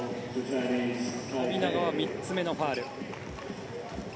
富永は３つめのファウル。